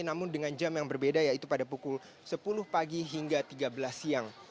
namun dengan jam yang berbeda yaitu pada pukul sepuluh pagi hingga tiga belas siang